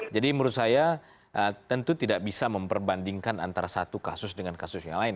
jadi menurut saya tentu tidak bisa memperbandingkan antara satu kasus dengan kasus yang lain